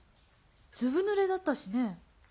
ずぶ濡れだったしね。